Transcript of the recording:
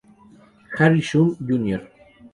Harry Shum, Jr.